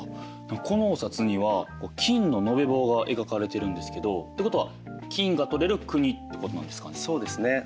このお札には金の延べ棒が描かれてるんですけどってことは金が採れる国ってことなんですかね。